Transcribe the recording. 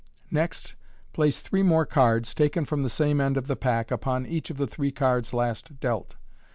Next place three more cards, taken from the same end of the pack, upon each of the three cards last dealt.